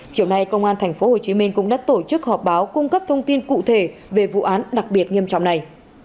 chiều nay công an tp hcm cũng đã tổ chức họp báo cung cấp thông tin cụ thể về vụ án đặc biệt nghiêm trọng này